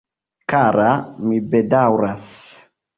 Kara, mi bedaŭras...